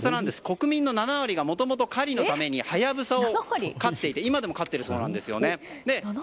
国民の７割がもともと狩りのためにハヤブサを飼っていて今でも飼っているそうです。